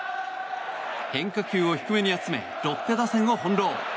変化球を低めに集めロッテ打線を翻ろう。